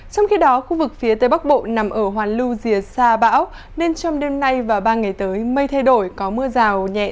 trong khi đó khu vực phía tây bắc bộ nằm ở hoàn lưu rìa xa bão nên trong đêm nay và ba ngày tới mây thay đổi có mưa rào nhẹ